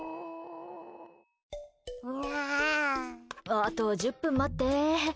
あと１０分待って。